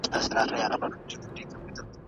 د دغي کیسې عبرت دا دی چي شکر سکون راوړي.